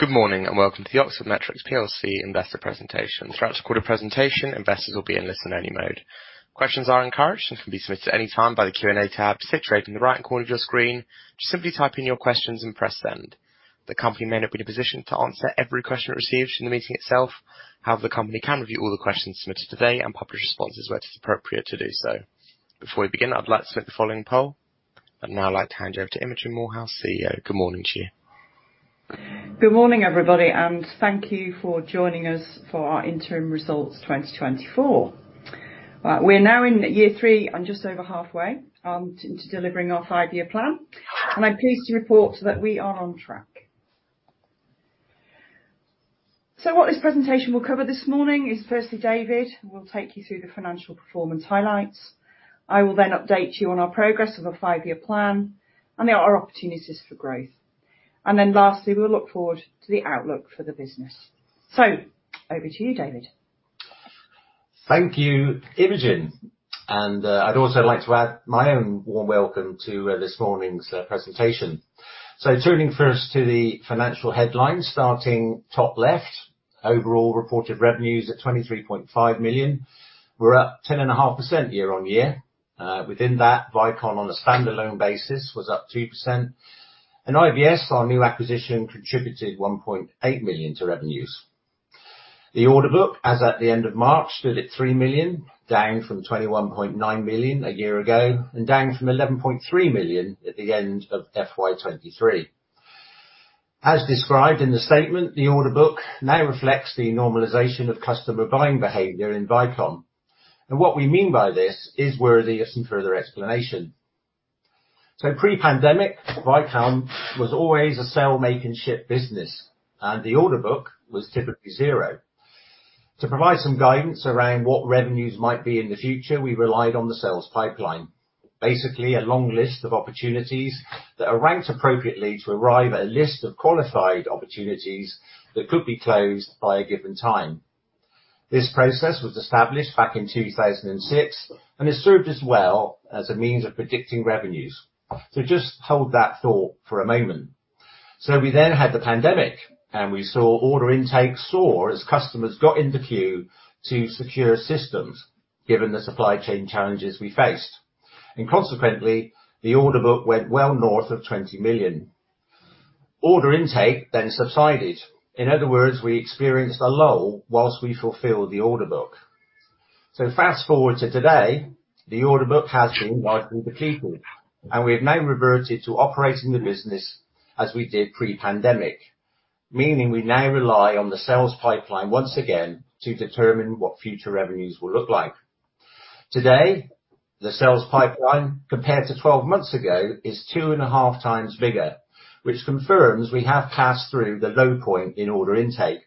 Good morning, and welcome to the Oxford Metrics PLC investor presentation. Throughout the quarter presentation, investors will be in listen-only mode. Questions are encouraged and can be submitted at any time by the Q&A tab situated in the right corner of your screen. Just simply type in your questions and press send. The company may not be in a position to answer every question it receives in the meeting itself. However, the company can review all the questions submitted today and publish responses where it is appropriate to do so. Before we begin, I'd like to submit the following poll. I'd now like to hand you over to Imogen Moorhouse, CEO. Good morning to you. Good morning, everybody, and thank you for joining us for our interim results 2024. I am pleased to report that we are on track. We are now in year three and just over halfway into delivering our five-year plan. What this presentation will cover this morning is firstly, David will take you through the financial performance highlights. I will then update you on our progress of our five-year plan and there are opportunities for growth. Lastly, we'll look forward to the outlook for the business. Over to you, David. Thank you, Imogen, and I'd also like to add my own warm welcome to this morning's presentation. Turning first to the financial headlines, starting top left, overall reported revenues at 23.5 million were up 10.5% year-on-year. Within that, Vicon on a standalone basis was up 2%, and IVS, our new acquisition, contributed 1.8 million to revenues. The order book as at the end of March stood at 3 million, down from 21.9 million a year ago, and down from 11.3 million at the end of FY 2023. As described in the statement, the order book now reflects the normalization of customer buying behavior in Vicon. What we mean by this is worthy of some further explanation. Pre-pandemic, Vicon was always a sell, make and ship business, and the order book was typically zero. To provide some guidance around what revenues might be in the future, we relied on the sales pipeline, basically a long list of opportunities that are ranked appropriately to arrive at a list of qualified opportunities that could be closed by a given time. This process was established back in 2006 and has served us well as a means of predicting revenues. Just hold that thought for a moment. We then had the pandemic, and we saw order intake soar as customers got in the queue to secure systems, given the supply chain challenges we faced. Consequently, the order book went well north of 20 million. Order intake subsided. In other words, we experienced a lull whilst we fulfilled the order book. Fast-forward to today, the order book has been largely depleted, and we have now reverted to operating the business as we did pre-pandemic. Meaning we now rely on the sales pipeline once again to determine what future revenues will look like. Today, the sales pipeline, compared to 12 months ago, is two and a half times bigger, which confirms we have passed through the low point in order intake,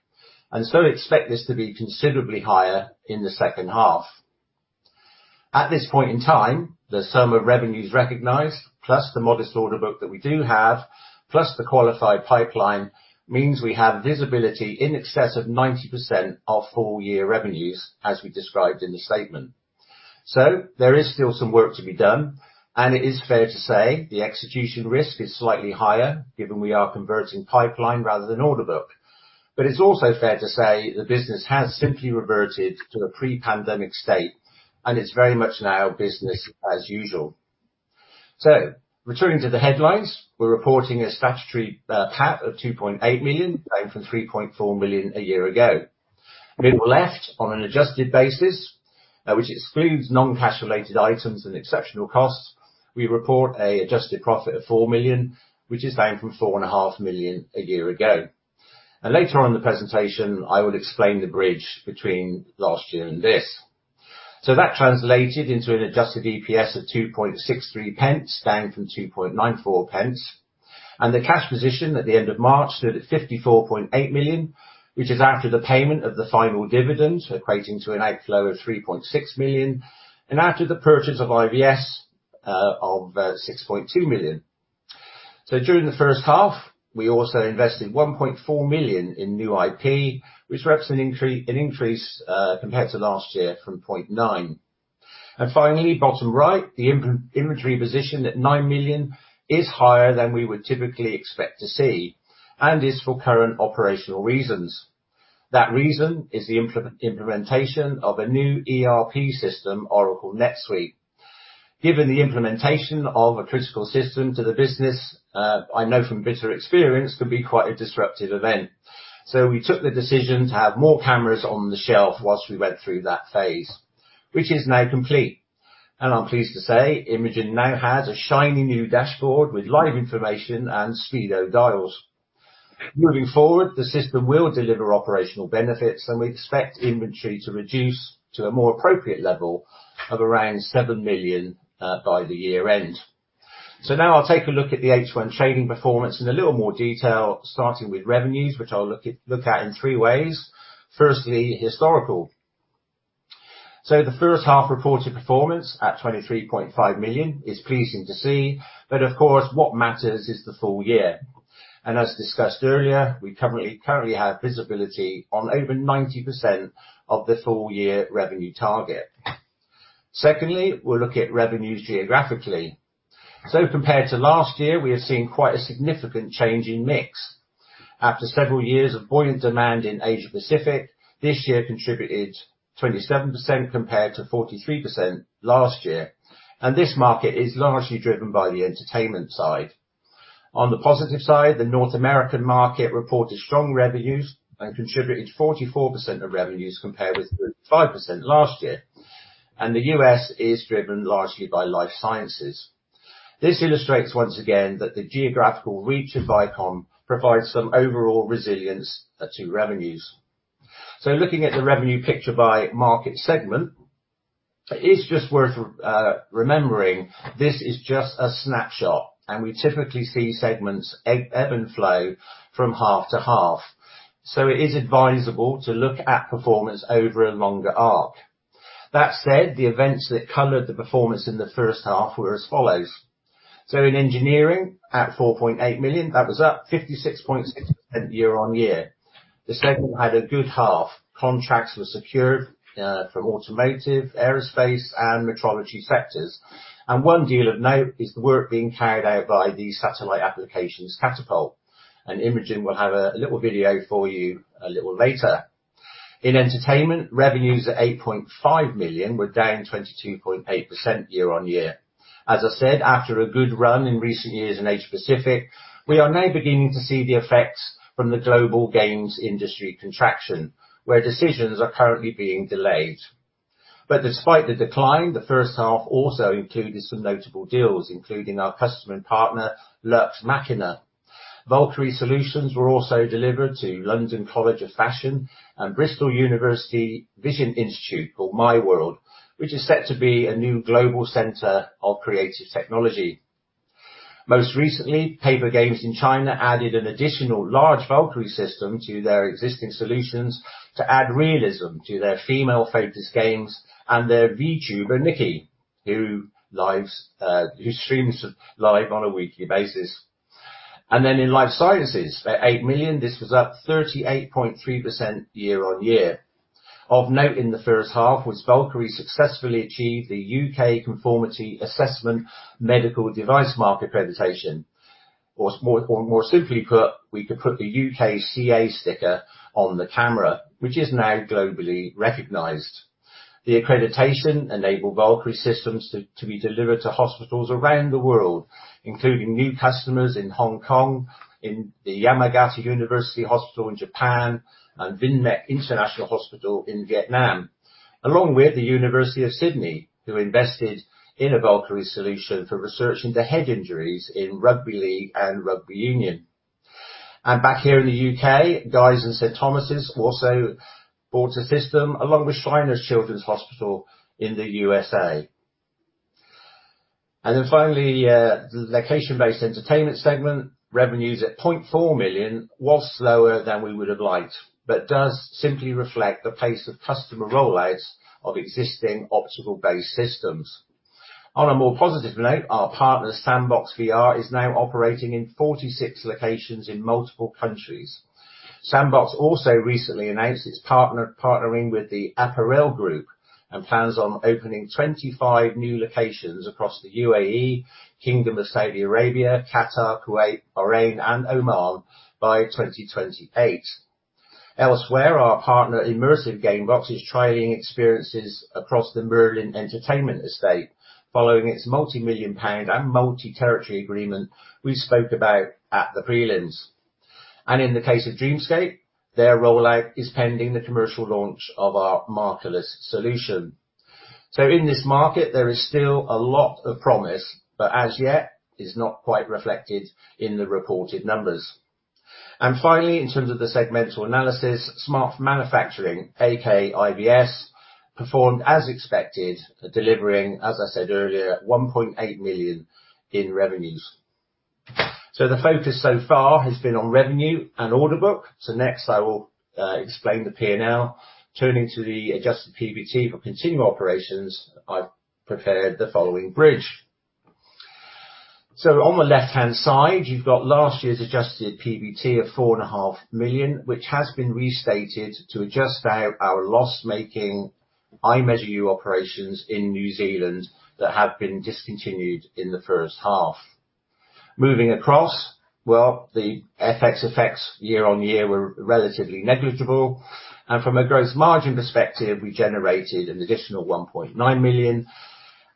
expect this to be considerably higher in the second half. At this point in time, the sum of revenues recognized, plus the modest order book that we do have, plus the qualified pipeline, means we have visibility in excess of 90% of full-year revenues as we described in the statement. There is still some work to be done, and it is fair to say the execution risk is slightly higher given we are converting pipeline rather than order book. It's also fair to say the business has simply reverted to the pre-pandemic state, and it's very much now business as usual. Returning to the headlines, we're reporting a statutory PAT of 2.8 million, down from 3.4 million a year ago. Middle left on an adjusted basis, which excludes non-cash related items and exceptional costs, we report an adjusted profit of 4 million, which is down from 4.5 million a year ago. Later on in the presentation, I will explain the bridge between last year and this. That translated into an adjusted EPS of 0.0263, down from 0.0294. The cash position at the end of March stood at 54.8 million, which is after the payment of the final dividend, equating to an outflow of 3.6 million, and after the purchase of IVS, of 6.2 million. During the first half, we also invested 1.4 million in new IP, which represents an increase, compared to last year from 0.9 million. Finally, bottom right, the inventory position at 9 million is higher than we would typically expect to see and is for current operational reasons. That reason is the implementation of a new ERP system, Oracle NetSuite. Given the implementation of a critical system to the business, I know from bitter experience can be quite a disruptive event. We took the decision to have more cameras on the shelf whilst we went through that phase, which is now complete. I'm pleased to say Imogen now has a shiny new dashboard with live information and speedo dials. Moving forward, the system will deliver operational benefits, and we expect inventory to reduce to a more appropriate level of around 7 million by the year end. Now I'll take a look at the H1 trading performance in a little more detail, starting with revenues, which I'll look at in three ways. Firstly, historical. The first half reported performance at 23.5 million is pleasing to see, of course, what matters is the full year. As discussed earlier, we currently have visibility on over 90% of the full year revenue target. Secondly, we'll look at revenues geographically. Compared to last year, we have seen quite a significant change in mix. After several years of buoyant demand in Asia-Pacific, this year contributed 27% compared to 43% last year, and this market is largely driven by the entertainment side. On the positive side, the North American market reported strong revenues and contributed 44% of revenues compared with 35% last year, and the U.S. is driven largely by life sciences. This illustrates once again that the geographical reach of Vicon provides some overall resilience to revenues. Looking at the revenue picture by market segment, it is just worth remembering, this is just a snapshot, and we typically see segments ebb and flow from half to half. It is advisable to look at performance over a longer arc. That said, the events that colored the performance in the first half were as follows. In engineering at 4.8 million, that was up 56.6% year-on-year. The segment had a good half. Contracts were secured from automotive, aerospace, and metrology sectors. One deal of note is the work being carried out by the Satellite Applications Catapult, and Imogen will have a little video for you a little later. In entertainment, revenues at 8.5 million were down 22.8% year-on-year. As I said, after a good run in recent years in Asia-Pacific, we are now beginning to see the effects from the global games industry contraction, where decisions are currently being delayed. Despite the decline, the first half also included some notable deals, including our customer and partner, Lux Machina. Valkyrie solutions were also delivered to London College of Fashion and Bristol Vision Institute, called MyWorld, which is set to be a new global center of creative technology. Most recently, Papergames in China added an additional large Valkyrie system to their existing solutions to add realism to their female-focused games and their VTuber, Nikki, who streams live on a weekly basis. In life sciences, at 8 million, this was up 38.3% year-on-year. Of note in the first half was Valkyrie successfully achieved the U.K. Conformity Assessment Medical Device Mark accreditation. More simply put, we could put the UKCA sticker on the camera, which is now globally recognized. The accreditation enabled Valkyrie systems to be delivered to hospitals around the world, including new customers in Hong Kong, in the Yamagata University Hospital in Japan, and Vinmec International Hospital in Vietnam, along with the University of Sydney, who invested in a Valkyrie solution for researching the head injuries in rugby league and rugby union. Back here in the U.K., Guy's and St Thomas' also bought a system along with Shriners Children's in the U.S.A. Finally, the location-based entertainment segment revenues at 0.4 million was slower than we would've liked, but does simply reflect the pace of customer rollouts of existing optical-based systems. On a more positive note, our partner, Sandbox VR, is now operating in 46 locations in multiple countries. Sandbox also recently announced it's partnering with the Apparel Group and plans on opening 25 new locations across the UAE, Kingdom of Saudi Arabia, Qatar, Kuwait, Bahrain, and Oman by 2028. Elsewhere, our partner, Immersive Gamebox, is trialing experiences across the Merlin Entertainments estate following its multimillion-pound and multi-territory agreement we spoke about at the prelims. In the case of Dreamscape, their rollout is pending the commercial launch of our markerless solution. In this market, there is still a lot of promise, but as yet, is not quite reflected in the reported numbers. Finally, in terms of the segmental analysis, smart manufacturing, AKA IVS, performed as expected, delivering, as I said earlier, 1.8 million in revenues. The focus so far has been on revenue and order book. Next I will explain the P&L. Turning to the adjusted PBT for continuing operations, I've prepared the following bridge. On the left-hand side, you've got last year's adjusted PBT of 4.5 million, which has been restated to adjust our loss-making IMeasureU operations in New Zealand that have been discontinued in the first half. Moving across, the FX effects year-on-year were relatively negligible. From a gross margin perspective, we generated an additional 1.9 million,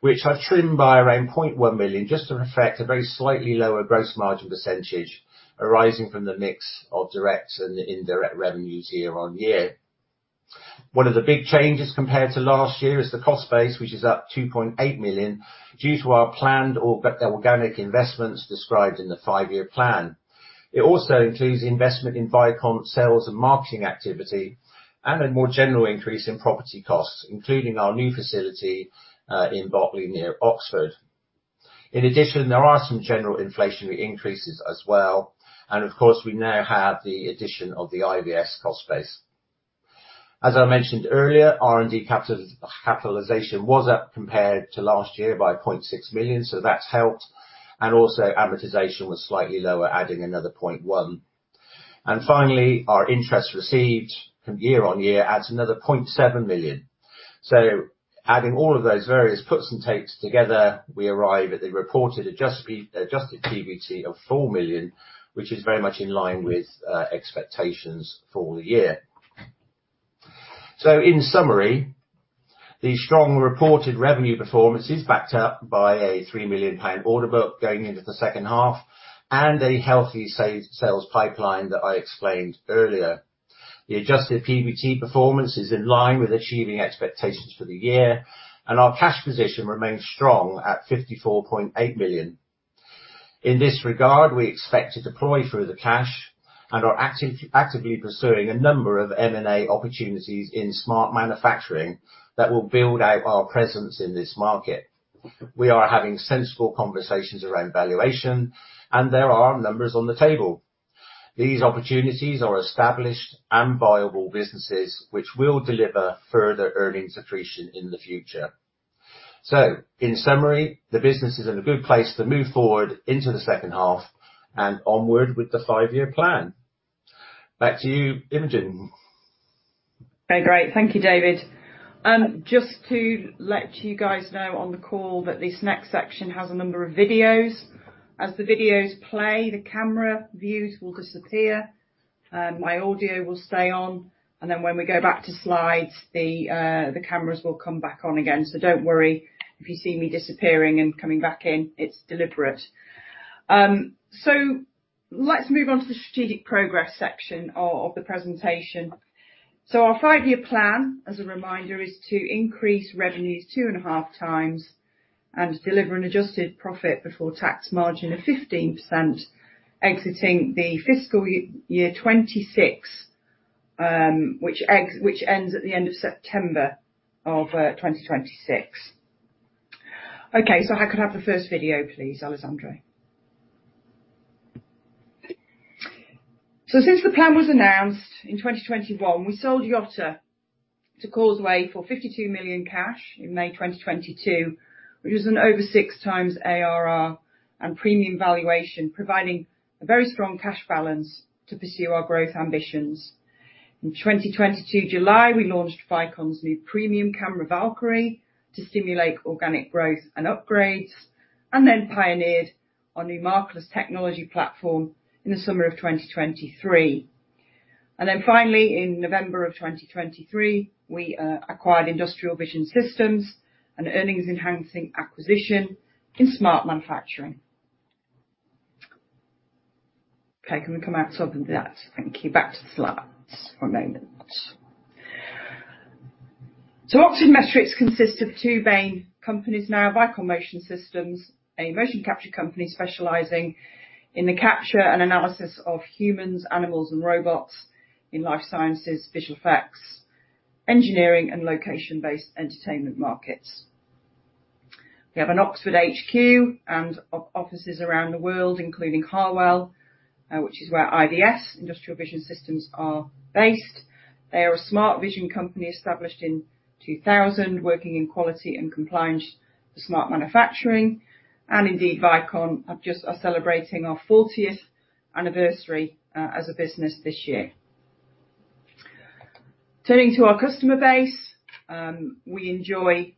which I've trimmed by around 0.1 million just to reflect a very slightly lower gross margin percentage arising from the mix of direct and indirect revenues year-on-year. One of the big changes compared to last year is the cost base, which is up 2.8 million due to our planned organic investments described in the five-year plan. It also includes investment in Vicon sales and marketing activity and a more general increase in property costs, including our new facility, in Beckley, near Oxford. In addition, there are some general inflationary increases as well. Of course, we now have the addition of the IVS cost base. As I mentioned earlier, R&D capitalization was up compared to last year by 0.6 million, so that's helped. Also amortization was slightly lower, adding another 0.1And finally, our interest received from year on year adds another 7 million. Adding all of those various puts and takes together, we arrive at the reported adjusted PBT of 4 million, which is very much in line with expectations for the year. In summary, the strong reported revenue performance is backed up by a 3 million pound order book going into the second half, and a healthy sales pipeline that I explained earlier. The adjusted PBT performance is in line with achieving expectations for the year, and our cash position remains strong at 54.8 million. In this regard, we expect to deploy through the cash and are actively pursuing a number of M&A opportunities in smart manufacturing that will build out our presence in this market. We are having sensible conversations around valuation and there are numbers on the table. These opportunities are established and viable businesses, which will deliver further earnings accretion in the future. In summary, the business is in a good place to move forward into the second half and onward with the five-year plan. Back to you, Imogen. Okay, great. Thank you, David. Just to let you guys know on the call that this next section has a number of videos. As the videos play, the camera views will disappear, my audio will stay on, and then when we go back to slides, the cameras will come back on again. Don't worry if you see me disappearing and coming back in, it's deliberate. Let's move on to the strategic progress section of the presentation. Our five-year plan, as a reminder, is to increase revenues two and a half times and deliver an adjusted profit before tax margin of 15% exiting the FY 2026, which ends at the end of September of 2026. Okay, if I could have the first video, please, Alessandro. Since the plan was announced in 2021, we sold Yotta to Causeway for 52 million cash in May 2022, which was an over 6x ARR and premium valuation, providing a very strong cash balance to pursue our growth ambitions. In 2022 July, we launched Vicon's new premium camera, Valkyrie, to stimulate organic growth and upgrades. Then pioneered our new markerless technology platform in the summer of 2023. Finally, in November of 2023, we acquired Industrial Vision Systems, an earnings-enhancing acquisition in smart manufacturing. Okay, can we come out of that? Thank you. Back to the slides for a moment. Oxford Metrics consists of two main companies now, Vicon Motion Systems, a motion capture company specializing in the capture and analysis of humans, animals, and robots in life sciences, visual effects, engineering, and location-based entertainment markets. We have an Oxford HQ and offices around the world, including Harwell, which is where IVS, Industrial Vision Systems, are based. They are a smart vision company established in 2000, working in quality and compliance for smart manufacturing. Indeed, Vicon are celebrating our fortieth anniversary as a business this year. Turning to our customer base, we enjoy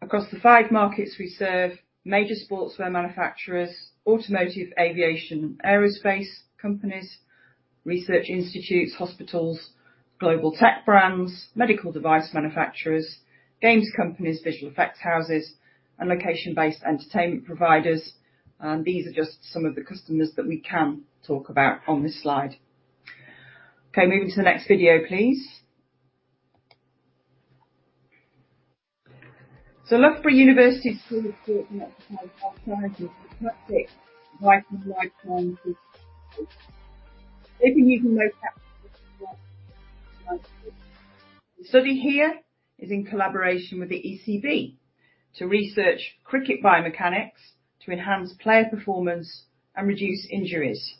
across the five markets we serve, major sportswear manufacturers, automotive, aviation, and aerospace companies, research institutes, hospitals, global tech brands, medical device manufacturers, games companies, visual effects houses, and location-based entertainment providers. These are just some of the customers that we can talk about on this slide. Okay, moving to the next video, please. Loughborough University's School of Sport Science Vicon. They've been using mocap. The study here is in collaboration with the ECB to research cricket biomechanics to enhance player performance and reduce injuries.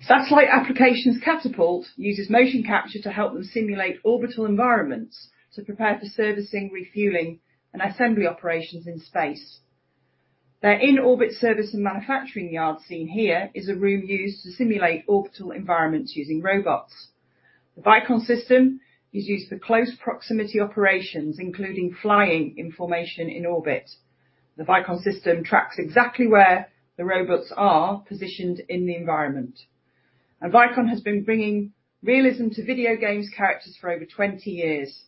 Satellite Applications Catapult uses motion capture to help them simulate orbital environments to prepare for servicing, refueling, and assembly operations in space. Their in-orbit service and manufacturing yard seen here is a room used to simulate orbital environments using robots. The Vicon system is used for close proximity operations, including flying in formation in orbit. The Vicon system tracks exactly where the robots are positioned in the environment. Vicon has been bringing realism to video games characters for over 20 years.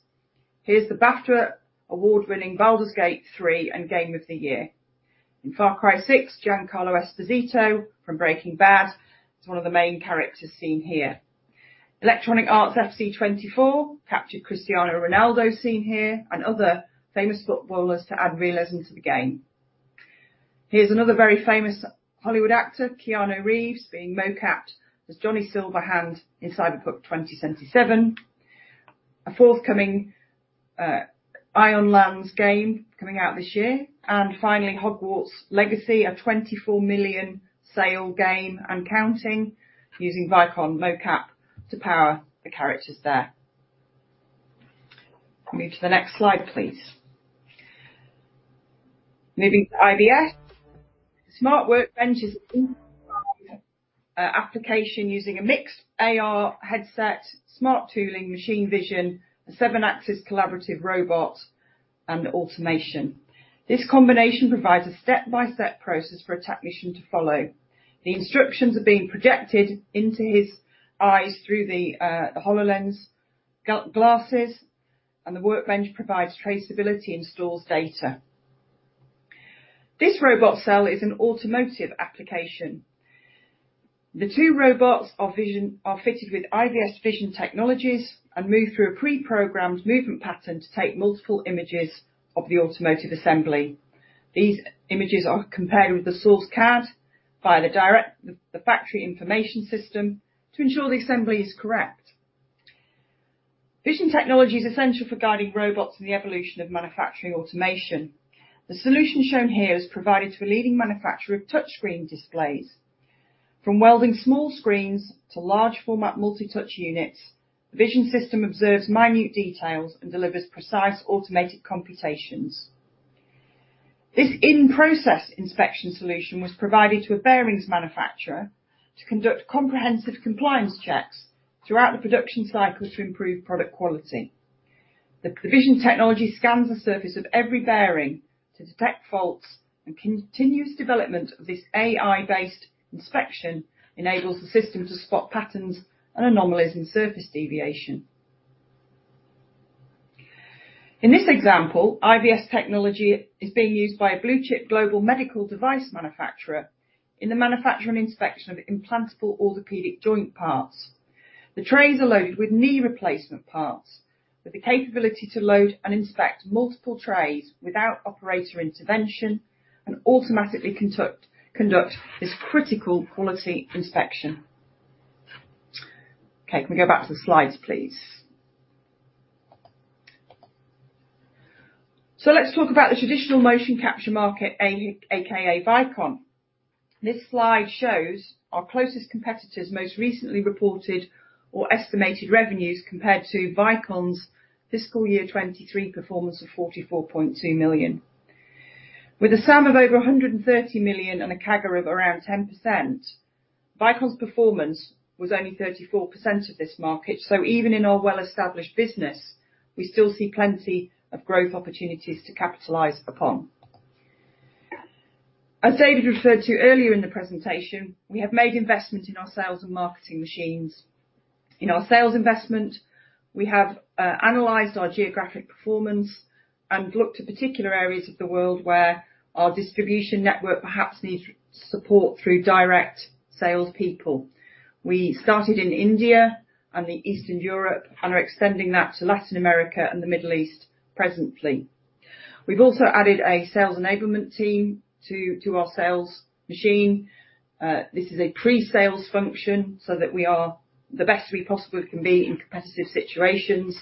Here's the BAFTA award-winning Baldur's Gate 3 and Game of the Year. In Far Cry 6, Giancarlo Esposito from Breaking Bad is one of the main characters seen here. Electronic Art FC 24 captured Cristiano Ronaldo, seen here, and other famous footballers to add realism to the game. Here's another very famous Hollywood actor, Keanu Reeves, being mo-capped as Johnny Silverhand in Cyberpunk 2077. A forthcoming ION LANDS game coming out this year. Finally, Hogwarts Legacy, a 24 million sale game and counting, using Vicon mocap to power the characters there. Move to the next slide, please. Moving to IVS. Smart Workbench is an application using a mixed AR headset, smart tooling, machine vision, a seven-axis collaborative robot, and automation. This combination provides a step-by-step process for a technician to follow. The instructions are being projected into his eyes through the HoloLens glasses, and the workbench provides traceability and stores data. This robot cell is an automotive application. The two robots are fitted with IVS vision technologies and move through a pre-programmed movement pattern to take multiple images of the automotive assembly. These images are compared with the source CAD via the factory information system to ensure the assembly is correct. Vision technology is essential for guiding robots in the evolution of manufacturing automation. The solution shown here is provided to a leading manufacturer of touchscreen displays. From welding small screens to large format multi-touch units, the vision system observes minute details and delivers precise automated computations. This in-process inspection solution was provided to a bearings manufacturer to conduct comprehensive compliance checks throughout the production cycles to improve product quality. The vision technology scans the surface of every bearing to detect faults, and continuous development of this AI-based inspection enables the system to spot patterns and anomalies in surface deviation. In this example, IVS technology is being used by a blue-chip global medical device manufacturer in the manufacture and inspection of implantable orthopedic joint parts. The trays are loaded with knee replacement parts, with the capability to load and inspect multiple trays without operator intervention and automatically conduct this critical quality inspection. Can we go back to the slides, please? Let's talk about the traditional motion capture market, AKA Vicon. This slide shows our closest competitors' most recently reported or estimated revenues compared to Vicon's FY 2023 performance of 44.2 million. With a sum of over 130 million and a CAGR of around 10%, Vicon's performance was only 34% of this market. Even in our well-established business, we still see plenty of growth opportunities to capitalize upon. As David referred to earlier in the presentation, we have made investments in our sales and marketing machines. In our sales investment, we have analyzed our geographic performance and looked at particular areas of the world where our distribution network perhaps needs support through direct salespeople. We started in India and Eastern Europe and are extending that to Latin America and the Middle East presently. We've also added a sales enablement team to our sales machine. This is a pre-sales function so that we are the best we possibly can be in competitive situations.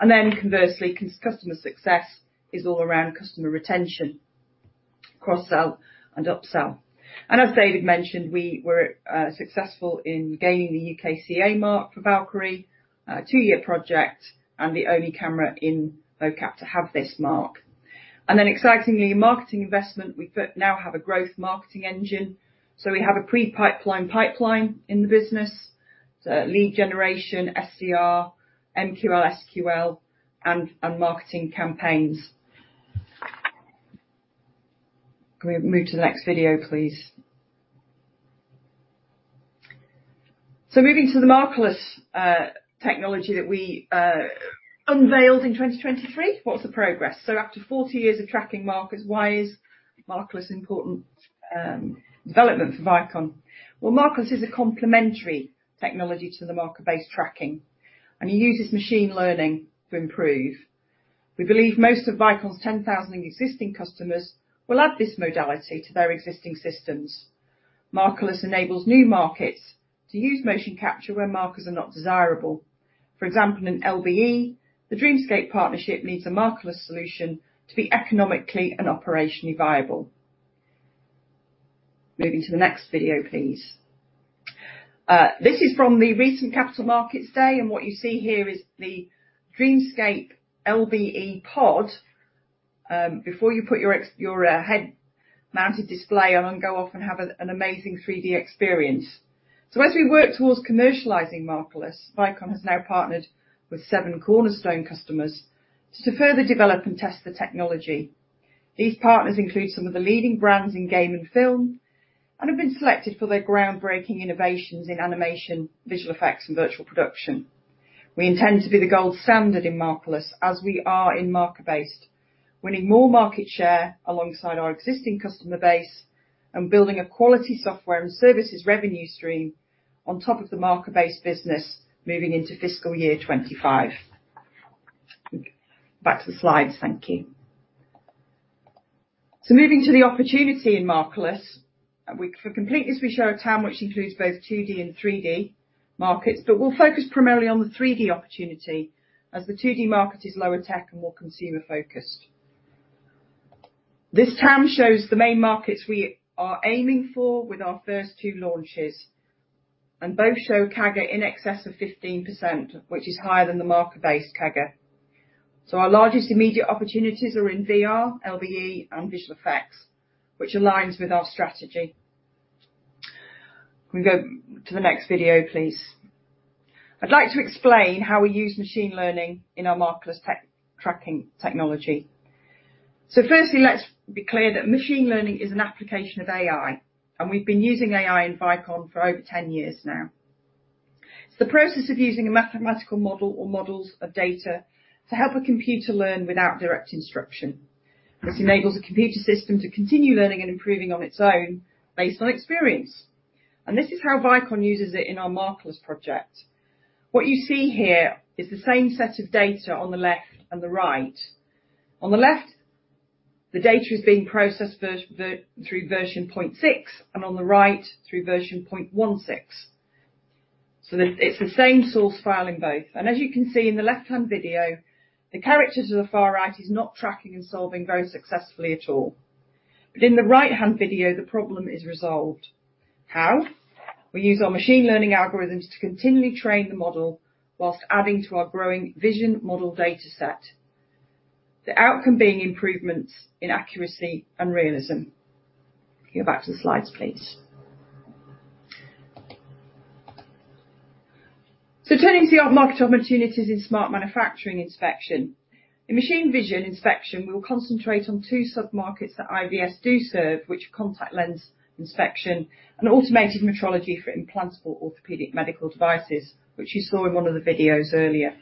Conversely, customer success is all around customer retention, cross-sell, and up-sell. As David mentioned, we were successful in gaining the UKCA mark for Valkyrie, a 2-year project, and the only camera in mocap to have this mark. Excitingly, marketing investment, we now have a growth marketing engine. We have a pre-pipeline pipeline in the business. Lead generation, SDR, MQL, SQL, and marketing campaigns. Can we move to the next video, please? Moving to the markerless technology that we unveiled in 2023. What's the progress? After 40 years of tracking markers, why is markerless important development for Vicon? Markerless is a complementary technology to the marker-based tracking, and it uses machine learning to improve. We believe most of Vicon's 10,000 existing customers will add this modality to their existing systems. Markerless enables new markets to use motion capture where markers are not desirable. For example, in LBE, the Dreamscape partnership needs a markerless solution to be economically and operationally viable. Moving to the next video, please. This is from the recent Capital Markets Day, and what you see here is the Dreamscape LBE pod. Before you put your head-mounted display on and go off and have an amazing 3D experience. As we work towards commercializing markerless, Vicon has now partnered with 7 cornerstone customers to further develop and test the technology. These partners include some of the leading brands in game and film and have been selected for their groundbreaking innovations in animation, visual effects, and virtual production. We intend to be the gold standard in markerless as we are in marker-based, winning more market share alongside our existing customer base and building a quality software and services revenue stream on top of the marker-based business moving into FY 2025. Back to the slides. Thank you. Moving to the opportunity in markerless. For completeness, we show a TAM which includes both 2D and 3D markets, but we'll focus primarily on the 3D opportunity as the 2D market is lower tech and more consumer-focused. This TAM shows the main markets we are aiming for with our first two launches, and both show CAGR in excess of 15%, which is higher than the market-based CAGR. Our largest immediate opportunities are in VR, LBE and visual effects, which aligns with our strategy. Can we go to the next video, please? I'd like to explain how we use machine learning in our markerless tracking technology. Firstly, let's be clear that machine learning is an application of AI, and we've been using AI in Vicon for over 10 years now. It's the process of using a mathematical model or models of data to help a computer learn without direct instruction. This enables a computer system to continue learning and improving on its own based on experience. This is how Vicon uses it in our markerless project. What you see here is the same set of data on the left and the right. On the left, the data is being processed through version 0.6, and on the right, through version 0.16. It's the same source file in both. As you can see in the left-hand video, the characters on the far right is not tracking and solving very successfully at all. In the right-hand video, the problem is resolved. How? We use our machine learning algorithms to continually train the model whilst adding to our growing vision model data set, the outcome being improvements in accuracy and realism. Go back to the slides, please. Turning to our market opportunities in smart manufacturing inspection. In machine vision inspection, we will concentrate on 2 sub-markets that IVS do serve, which are contact lens inspection and automated metrology for implantable orthopedic medical devices, which you saw in one of the videos earlier.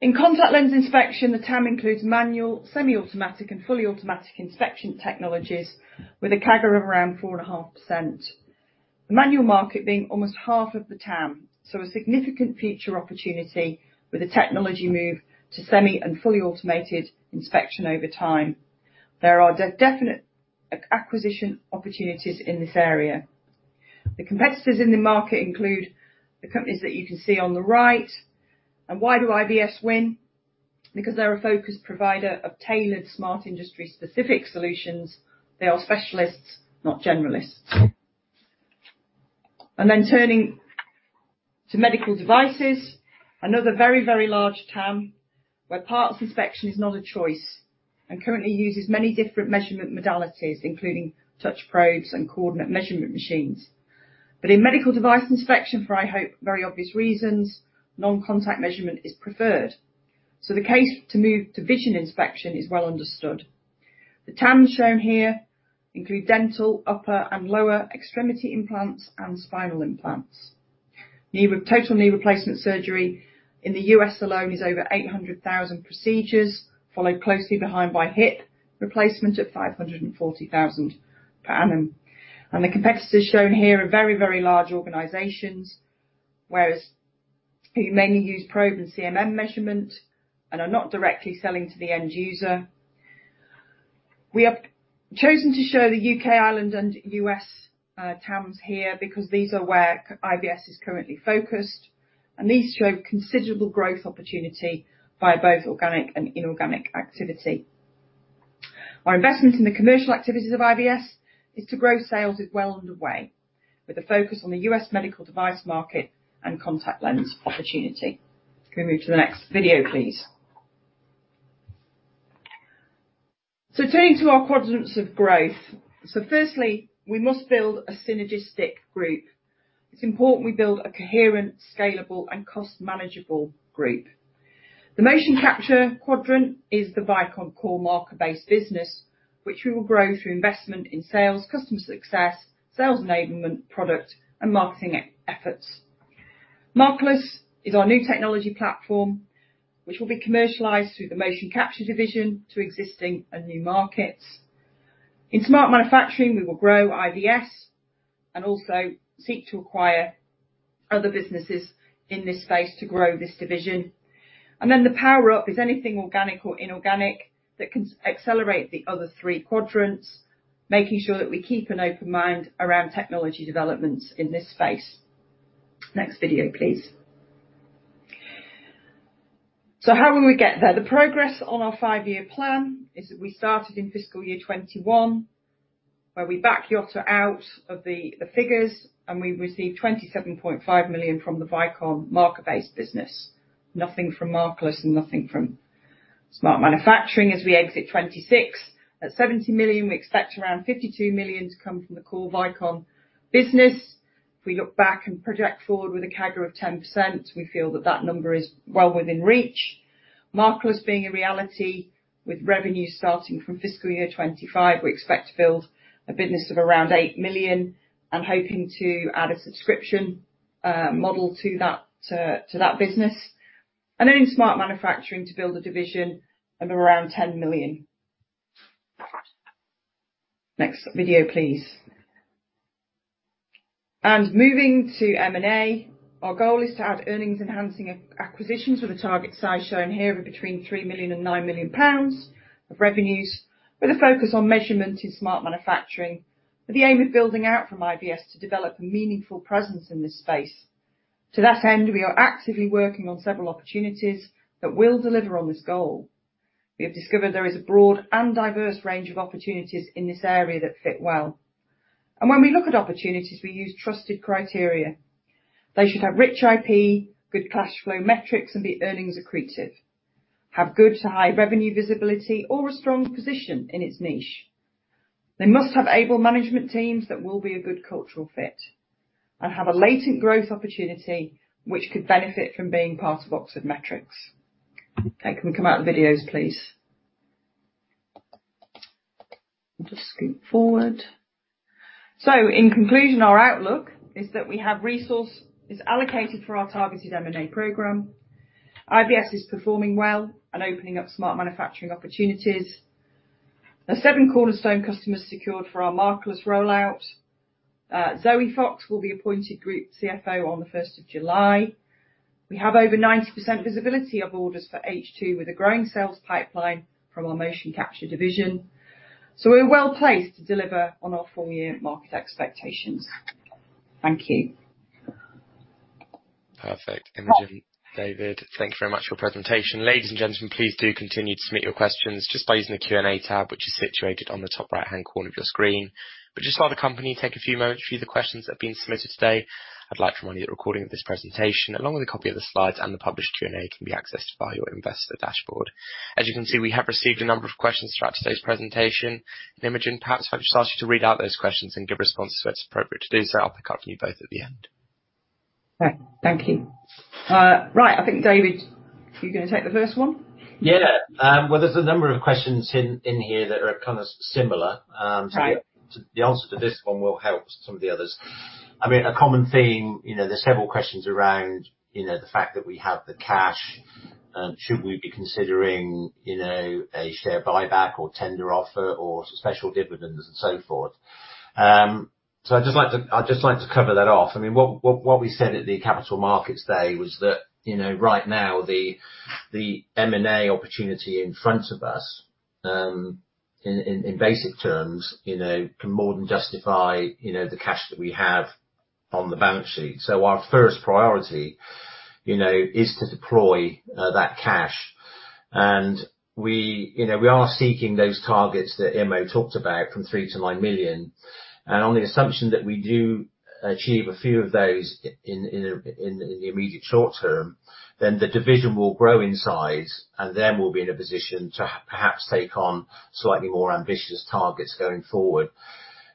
In contact lens inspection, the TAM includes manual, semi-automatic, and fully automatic inspection technologies with a CAGR of around 4.5%. The manual market being almost half of the TAM, so a significant future opportunity with the technology move to semi and fully automated inspection over time. There are definite acquisition opportunities in this area. The competitors in the market include the companies that you can see on the right. Why do IVS win? Because they're a focused provider of tailored smart industry-specific solutions. They are specialists, not generalists. Turning to medical devices. Another very, very large TAM where parts inspection is not a choice and currently uses many different measurement modalities, including touch probes and coordinate measurement machines. In medical device inspection, for, I hope, very obvious reasons, non-contact measurement is preferred. The case to move to vision inspection is well understood. The TAM shown here include dental, upper and lower extremity implants, and spinal implants. Total knee replacement surgery in the U.S. alone is over 800,000 procedures, followed closely behind by hip replacement at 540,000 per annum. The competitors shown here are very, very large organizations. Whereas who mainly use probe and CMM measurement and are not directly selling to the end user. We have chosen to show the U.K., Ireland, and U.S. TAMs here because these are where IVS is currently focused, and these show considerable growth opportunity via both organic and inorganic activity. Our investment in the commercial activities of IVS is to grow sales is well underway, with a focus on the U.S. medical device market and contact lens opportunity. Can we move to the next video, please? Turning to our quadrants of growth. Firstly, we must build a synergistic group. It's important we build a coherent, scalable, and cost-manageable group. The motion capture quadrant is the Vicon core market-based business, which we will grow through investment in sales, customer success, sales enablement, product, and marketing efforts. Markerless is our new technology platform, which will be commercialized through the motion capture division to existing and new markets. In smart manufacturing, we will grow IVS and also seek to acquire other businesses in this space to grow this division. The power-up is anything organic or inorganic that can accelerate the other three quadrants, making sure that we keep an open mind around technology developments in this space. Next video, please. How will we get there? The progress on our five-year plan is that we started in fiscal year 2021, where we back Yotta out of the figures, and we receive 27.5 million from the Vicon market-based business. Nothing from markerless and nothing from smart manufacturing as we exit 2026. At 70 million, we expect around 52 million to come from the core Vicon business. If we look back and project forward with a CAGR of 10%, we feel that that number is well within reach. Markerless being a reality with revenue starting from fiscal year 2025. We expect to build a business of around 8 million and hoping to add a subscription model to that business. In smart manufacturing to build a division of around 10 million. Next video, please. Moving to M&A, our goal is to add earnings enhancing acquisitions with a target size shown here of between 3 million and 9 million pounds of revenues, with a focus on measurement in smart manufacturing, with the aim of building out from IVS to develop a meaningful presence in this space. To that end, we are actively working on several opportunities that will deliver on this goal. We have discovered there is a broad and diverse range of opportunities in this area that fit well. When we look at opportunities, we use trusted criteria. They should have rich IP, good cash flow metrics, and be earnings accretive. Have good to high revenue visibility or a strong position in its niche. They must have able management teams that will be a good cultural fit and have a latent growth opportunity, which could benefit from being part of Oxford Metrics. Okay, can we come out of the videos, please? I'll just scoot forward. In conclusion, our outlook is that we have resources allocated for our targeted M&A program. IVS is performing well and opening up smart manufacturing opportunities. There are seven cornerstone customers secured for our markerless rollout. Zoe Fox will be appointed Group CFO on the 1st of July. We have over 90% visibility of orders for H2 with a growing sales pipeline from our motion capture division. We're well-placed to deliver on our full-year market expectations. Thank you. Perfect. Imogen, David, thank you very much for your presentation. Ladies and gentlemen, please do continue to submit your questions just by using the Q&A tab, which is situated on the top right-hand corner of your screen. Just while the company take a few moments to view the questions that have been submitted today, I'd like to remind you that a recording of this presentation, along with a copy of the slides and the published Q&A, can be accessed via your investor dashboard. As you can see, we have received a number of questions throughout today's presentation. Imogen, perhaps if I just ask you to read out those questions and give responses where it's appropriate to do so. I'll pick up from you both at the end. Right. Thank you. Right. I think, David, you're going to take the first one? Yeah. Well, there's a number of questions in here that are kind of similar. Right. The answer to this one will help some of the others. A common theme, there's several questions around the fact that we have the cash and should we be considering a share buyback or tender offer or special dividends and so forth. I'd just like to cover that off. What we said at the Capital Markets Day was that right now, the M&A opportunity in front of us, in basic terms can more than justify the cash that we have on the balance sheet. Our first priority is to deploy that cash. We are seeking those targets that Imo talked about from three to nine million. On the assumption that we do achieve a few of those in the immediate short term, the division will grow in size, we'll be in a position to perhaps take on slightly more ambitious targets going forward.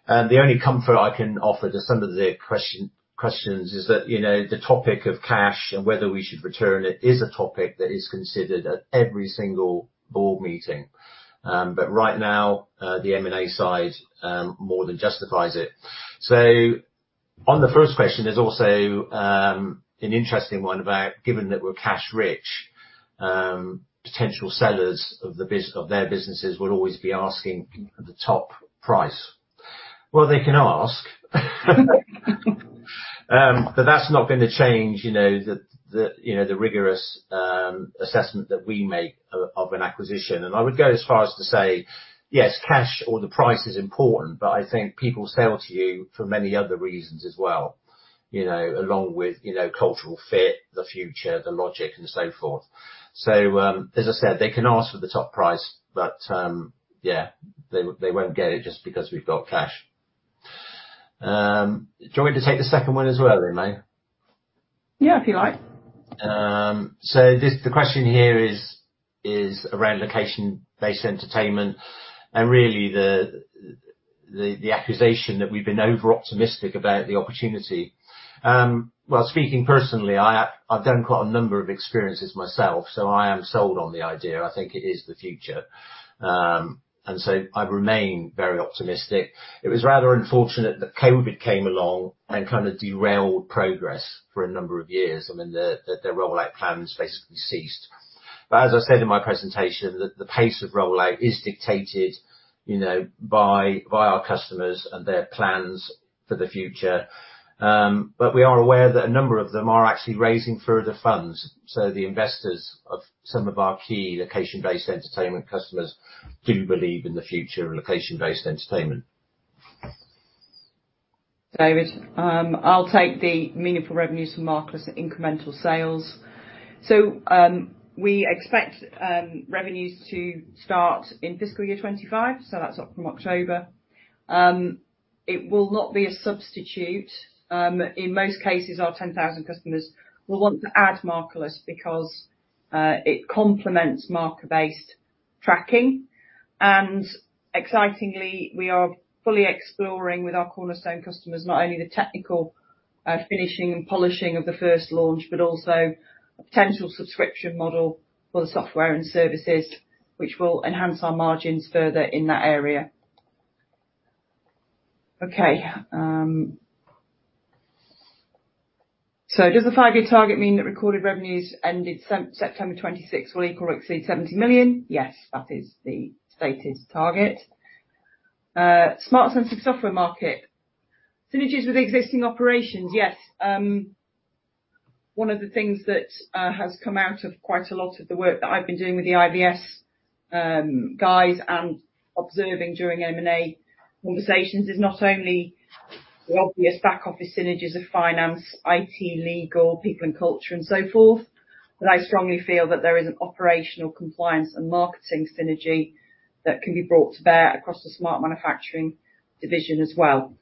The only comfort I can offer to some of the questions is that the topic of cash and whether we should return it is a topic that is considered at every single board meeting. Right now, the M&A side more than justifies it. On the first question, there's also an interesting one about, given that we're cash-rich, potential sellers of their businesses would always be asking the top price. Well, they can ask. That's not going to change the rigorous assessment that we make of an acquisition. I would go as far as to say, yes, cash or the price is important, I think people sell to you for many other reasons as well. Along with cultural fit, the future, the logic, and so forth. As I said, they can ask for the top price, yeah, they won't get it just because we've got cash. Do you want me to take the second one as well, Imo? Yeah, if you like. The question here is around location-based entertainment and really the accusation that we've been over-optimistic about the opportunity. Speaking personally, I've done quite a number of experiences myself, so I am sold on the idea. I think it is the future. I remain very optimistic. It was rather unfortunate that COVID came along and kind of derailed progress for a number of years. The rollout plans basically ceased. As I said in my presentation, the pace of rollout is dictated by our customers and their plans for the future. We are aware that a number of them are actually raising further funds. The investors of some of our key location-based entertainment customers do believe in the future of location-based entertainment. David, I'll take the meaningful revenues from markerless incremental sales. We expect revenues to start in fiscal year 2025, so that's up from October. It will not be a substitute. In most cases, our 10,000 customers will want to add markerless because it complements marker-based tracking. Excitingly, we are fully exploring with our cornerstone customers, not only the technical finishing and polishing of the first launch, but also a potential subscription model for the software and services, which will enhance our margins further in that area. Does the five-year target mean that recorded revenues ended September 2026 will equal or exceed 70 million? Yes, that is the stated target. Smart sensing software market synergies with existing operations. Yes. One of the things that has come out of quite a lot of the work that I've been doing with the IVS guys, and observing during M&A conversations is not only the obvious back-office synergies of finance, IT, legal, people and culture, and so forth, but I strongly feel that there is an operational compliance and marketing synergy that can be brought to bear across the smart manufacturing division as well.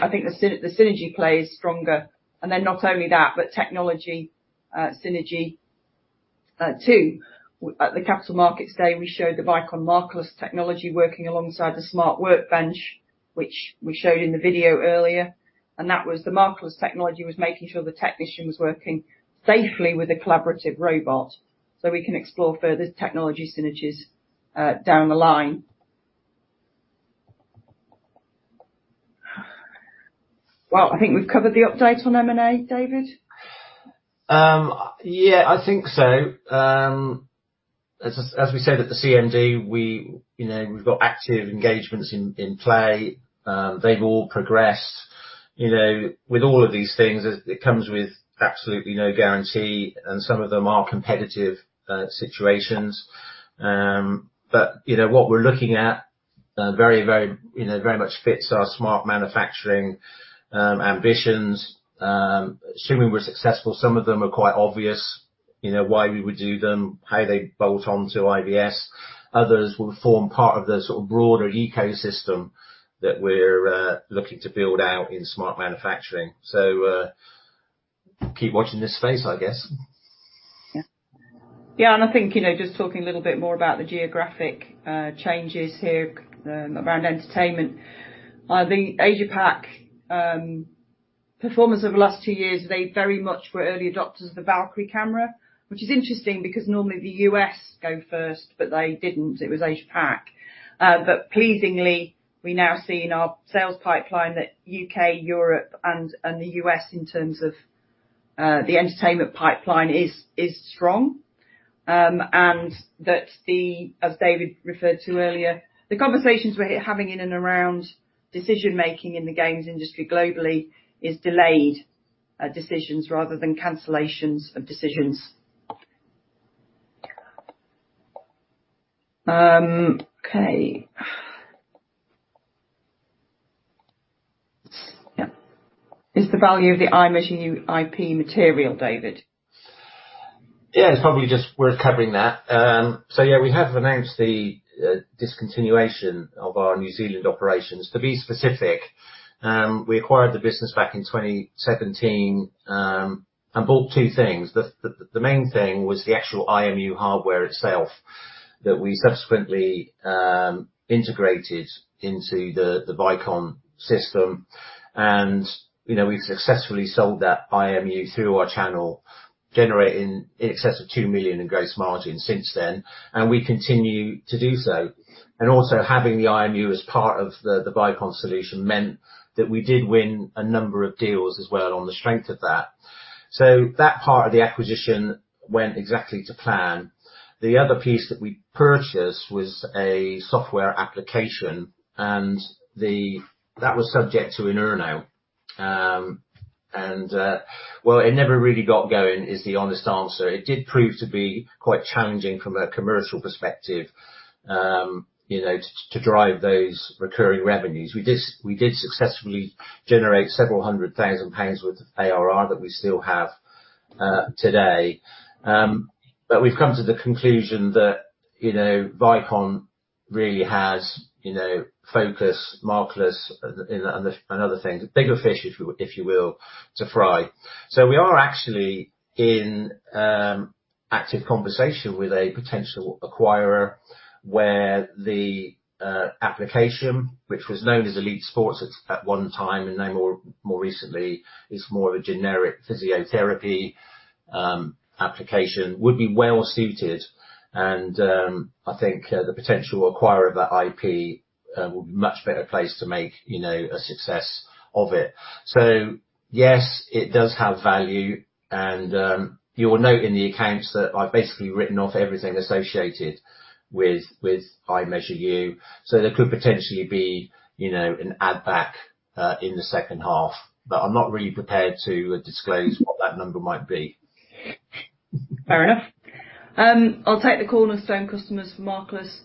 I think the synergy play is stronger. Not only that, but technology synergy too. At the Capital Markets Day, we showed the Vicon markerless technology working alongside the Smart Workbench, which we showed in the video earlier. That was the markerless technology was making sure the technician was working safely with a collaborative robot, so we can explore further technology synergies down the line. I think we've covered the update on M&A, David. I think so. As we said at the CMD, we've got active engagements in play. They've all progressed. With all of these things, it comes with absolutely no guarantee, and some of them are competitive situations. What we're looking at very much fits our smart manufacturing ambitions. Assuming we're successful, some of them are quite obvious, why we would do them, how they bolt onto IVS. Others will form part of the broader ecosystem that we're looking to build out in smart manufacturing. Keep watching this space, I guess. Yeah. I think, just talking a little bit more about the geographic changes here around entertainment. The Asia-Pac performance over the last two years, they very much were early adopters of the Valkyrie camera. Which is interesting, because normally the U.S. go first, they didn't, it was Asia-Pac. Pleasingly, we now see in our sales pipeline that U.K., Europe, and the U.S. in terms of the entertainment pipeline is strong. That as David referred to earlier, the conversations we're having in and around decision-making in the games industry globally is delayed decisions rather than cancellations of decisions. Okay. Yeah. Is the value of the IMeasureU IP material, David? Yeah. It's probably just worth covering that. Yeah, we have announced the discontinuation of our New Zealand operations. To be specific, we acquired the business back in 2017, and bought two things. The main thing was the actual IMU hardware itself that we subsequently integrated into the Vicon system. We've successfully sold that IMU through our channel, generating in excess of 2 million in gross margin since then, and we continue to do so. Also having the IMU as part of the Vicon solution meant that we did win a number of deals as well on the strength of that. That part of the acquisition went exactly to plan. The other piece that we purchased was a software application, and that was subject to an earn-out. Well, it never really got going is the honest answer. It did prove to be quite challenging from a commercial perspective to drive those recurring revenues. We did successfully generate several hundred thousand GBP worth of ARR that we still have today. We've come to the conclusion that Vicon really has focus, markerless and other things. Bigger fish, if you will, to fry. We are actually in active conversation with a potential acquirer where the application, which was known as Elite Sports at one time and now more recently is more of a generic physiotherapy application, would be well suited. I think the potential acquirer of that IP will be much better placed to make a success of it. Yes, it does have value, and you'll note in the accounts that I've basically written off everything associated with IMeasureU. There could potentially be an add back in the second half. I'm not really prepared to disclose what that number might be. Fair enough. I'll take the cornerstone customers for markerless.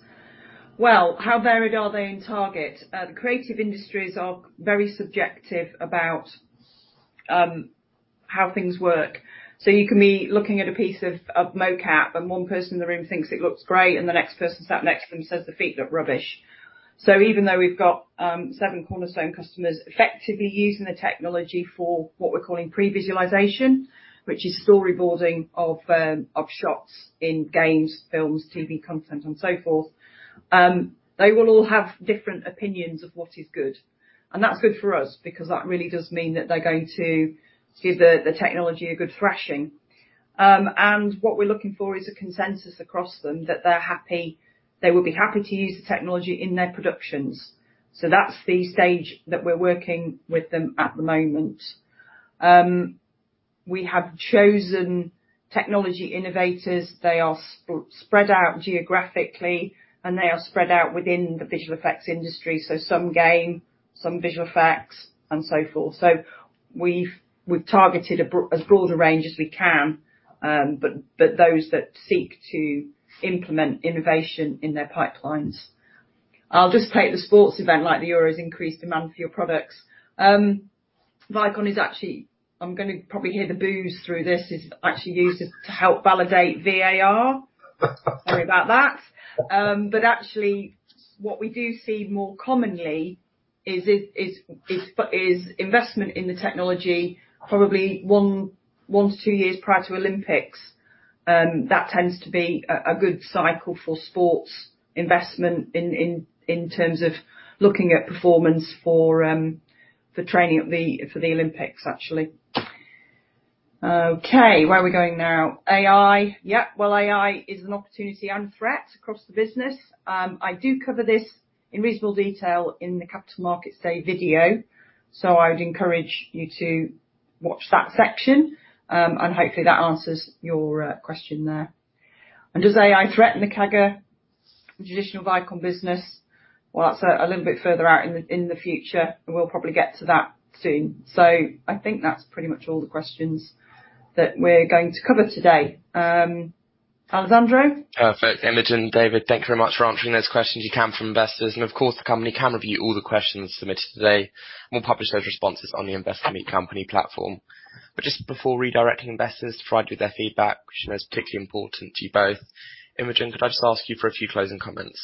How varied are they in target? The creative industries are very subjective about how things work. You can be looking at a piece of mocap and one person in the room thinks it looks great, and the next person sat next to them says the feet look rubbish. Even though we've got seven cornerstone customers effectively using the technology for what we're calling pre-visualization, which is storyboarding of shots in games, films, TV content, and so forth. They will all have different opinions of what is good. That's good for us because that really does mean that they're going to give the technology a good thrashing. What we're looking for is a consensus across them that they will be happy to use the technology in their productions. That's the stage that we're working with them at the moment. We have chosen technology innovators. They are spread out geographically, and they are spread out within the visual effects industry. Some game, some visual effects, and so forth. We've targeted as broad a range as we can, but those that seek to implement innovation in their pipelines. I'll just take the sports event, like the Euros increased demand for your products. Vicon is actually, I'm going to probably hear the boos through this, is actually used to help validate VAR. Sorry about that. Actually, what we do see more commonly is investment in the technology probably one to two years prior to Olympics. That tends to be a good cycle for sports investment in terms of looking at performance for training for the Olympics, actually. Okay. Where are we going now? AI. Yep. Well, AI is an opportunity and a threat across the business. I do cover this in reasonable detail in the Capital Markets Day video, I would encourage you to watch that section, and hopefully that answers your question there. Does AI threaten the CAGR traditional Vicon business? Well, that's a little bit further out in the future, we'll probably get to that soon. I think that's pretty much all the questions that we're going to cover today. Alessandro? Perfect. Imogen, David, thank you very much for answering those questions you can from investors. Of course, the company can review all the questions submitted today, we'll publish those responses on the Investor Meet Company platform. Just before redirecting investors to provide you their feedback, which is particularly important to you both, Imogen, could I just ask you for a few closing comments?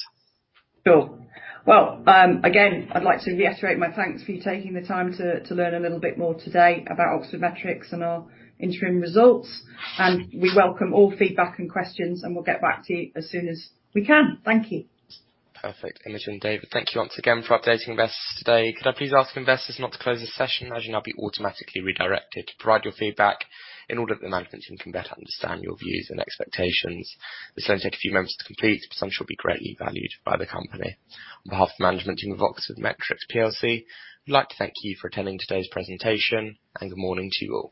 Sure. Well, again, I'd like to reiterate my thanks for you taking the time to learn a little bit more today about Oxford Metrics and our interim results. We welcome all feedback and questions. We'll get back to you as soon as we can. Thank you. Perfect. Imogen, David, thank you once again for updating investors today. Could I please ask investors not to close the session, as you'll now be automatically redirected to provide your feedback in order that the management team can better understand your views and expectations. This will only take a few moments to complete. Some shall be greatly valued by the company. On behalf of the management team of Oxford Metrics plc, we'd like to thank you for attending today's presentation. Good morning to you all.